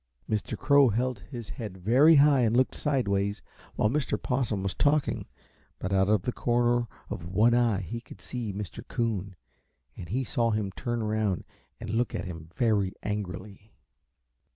Mr. Crow held his head very high and looked sideways while Mr. Possum was talking, but out of the corner of one eye he could see Mr. Coon, and he saw him turn around and look at him very angrily.